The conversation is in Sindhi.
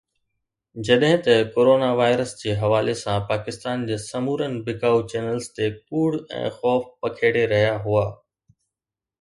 جڏهن ته ڪرونا وائرس جي حوالي سان پاڪستان جي سمورن بکائو چينلز تي ڪوڙ ۽ خوف پکيڙي رهيا هئا